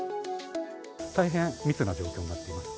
大変密な状況になっています。